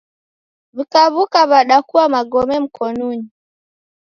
W'ikaw'uka w'adakua magome mkonunyi.